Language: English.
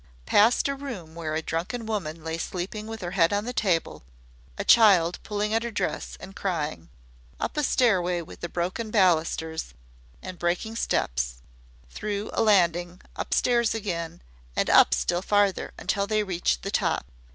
Past a room where a drunken woman lay sleeping with her head on a table, a child pulling at her dress and crying, up a stairway with broken balusters and breaking steps, through a landing, upstairs again, and up still farther until they reached the top.